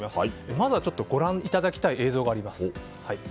まずはご覧いただきたい映像があります。